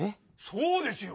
そうですよ。